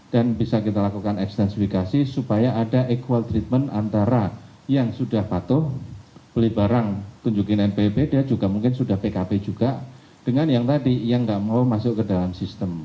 dan bisa kita lakukan ekstensifikasi supaya ada equal treatment antara yang sudah patuh beli barang tunjukin npwp dia juga mungkin sudah pkp juga dengan yang tadi yang gak mau masuk ke dalam sistem